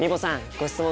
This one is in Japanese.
ご質問